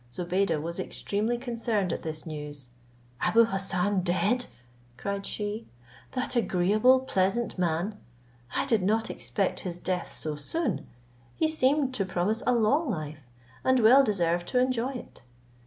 Zobeide was extremely concerned at this news. "Abou Hassan dead!" cried she; "that agreeable, pleasant man! I did not expect his death so soon; he seemed to promise a long life, and well deserved to enjoy it!"